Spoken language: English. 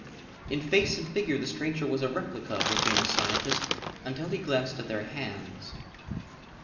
In face and figure the stranger was a replica of the famous scientist until he glanced at their hands.